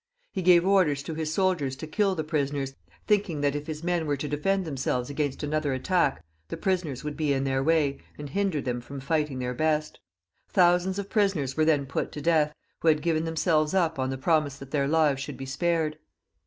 He gave orders to his soldiers to kill the prisoners, thinking that if his men were to defend them selves against another attack, the prisoners would be in their way, and hinder them from fighting their best. Thousands of prisoners were then put to death, who had given themselves up on the promise that their lives should be spared.